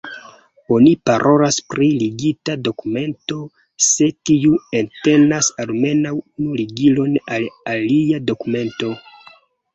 Oni parolas pri ligita dokumento, se tiu entenas almenaŭ unu ligilon al alia dokumento.